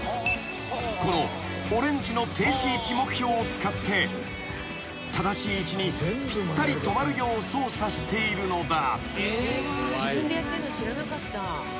［このオレンジの停止位置目標を使って正しい位置にぴったり止まるよう操作しているのだ］